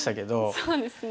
そうですね。